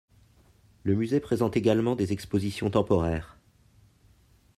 Le musée présente également des expositions temporaires.